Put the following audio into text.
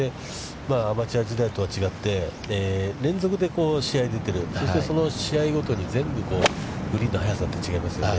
アマチュア時代とは違って、連続で試合に出てると、そして、その試合ごとに全部、グリーンの速さって違いますよね。